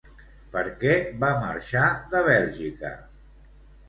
Per què va marxar de Bèlgica?